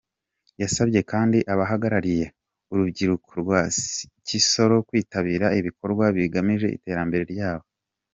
Yasabye kandi abahagarariye urubyiruko rwa Kisoro kwitabira ibikorwa bigamije iterambere ryabo.